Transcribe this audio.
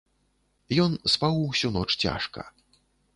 Ён спаў усю ноч цяжка.